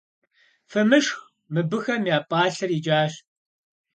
Фымышх, мыбыхэм я пӏалъэр икӏащ.